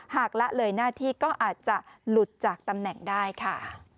ละเลยหน้าที่ก็อาจจะหลุดจากตำแหน่งได้ค่ะ